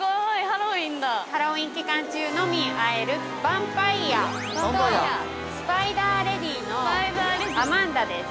◆ハロウィーン期間中のみ会えるヴァンパイアとスパイダーレディーのアマンダです。